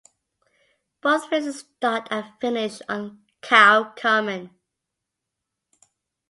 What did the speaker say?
Both races start and finish on Cow Common.